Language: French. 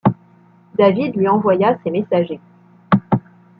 David lui envoya ses messagers.